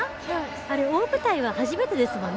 あれ、大舞台は初めてですもんね。